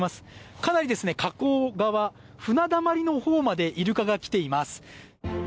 かなり河口側船だまりのほうまでイルカが来ています。